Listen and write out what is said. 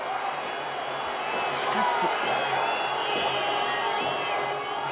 しかし。